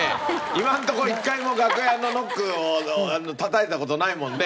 今のとこ１回も楽屋のノックをたたいた事ないもんね。